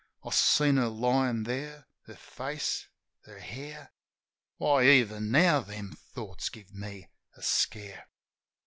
I seen her lyin' there — her face — her hair. ... Why, even now, them thoughts give me a scare.